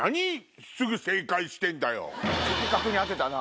的確に当てたなぁ。